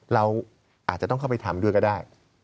เราอาจจะต้องเข้าไปทำด้วยก็ได้